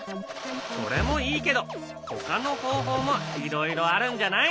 それもいいけどほかの方法もいろいろあるんじゃない？